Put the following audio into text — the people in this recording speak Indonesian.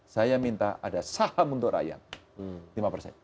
saya minta ada saham untuk rakyat